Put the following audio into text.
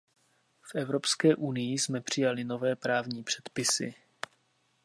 V Evropské unii jsme přijali nové právní předpisy.